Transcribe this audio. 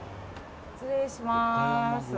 失礼します。